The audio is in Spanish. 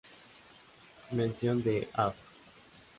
Mención de Av.